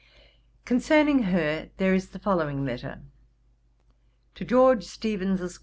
Concerning her there is the following letter: 'To GEORGE STEEVENS, ESQ.